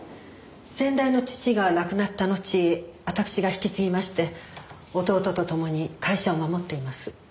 先代の父が亡くなったのち私が引き継ぎまして弟とともに会社を守っています。